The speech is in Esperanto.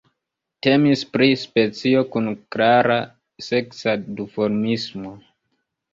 Temis pri specio kun klara seksa duformismo.